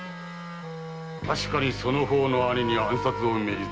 確かにその方の兄に暗殺を命じたのはわしだ。